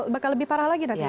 bakal lebih parah lagi datanya bu